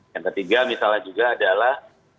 yang ketiga misalnya juga adalah